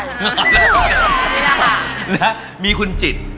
แล้วมีคุณจิต